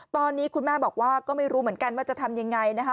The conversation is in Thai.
ตอนนี้คุณแม่บอกว่าก็ไม่รู้เหมือนกันว่าจะทำยังไงนะคะ